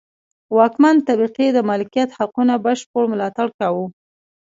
واکمنې طبقې د مالکیت حقونو بشپړ ملاتړ کاوه.